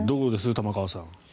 玉川さん。